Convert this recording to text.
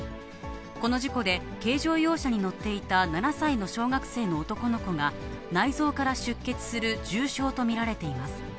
この事故で軽乗用車に乗っていた７歳の小学生の男の子が、内臓から出血する重傷と見られています。